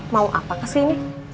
mau apa kesini